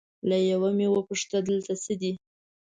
له یوه مې وپوښتل دلته څه دي؟